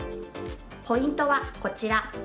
ポイントはこちら。